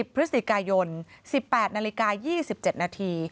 พฤศจิกายน๑๘นาฬิกา๒๗นาที